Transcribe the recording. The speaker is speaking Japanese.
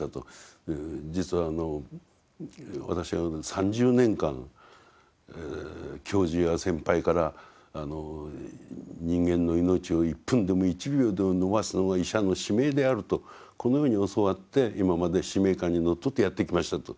「実は私は３０年間教授や先輩から人間の命を１分でも１秒でも延ばすのが医者の使命であるとこのように教わって今まで使命感にのっとってやってきました」と。